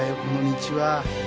この道は。